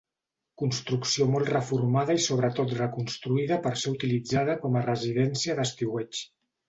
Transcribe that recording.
Construcció molt reformada i sobretot reconstruïda per ser utilitzada com a residència d'estiueig.